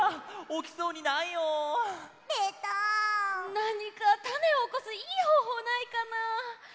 なにかタネをおこすいいほうほうないかな？